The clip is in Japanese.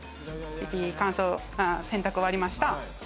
乾燥洗濯終わりました。